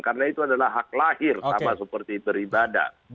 karena itu adalah hak lahir sama seperti beribadah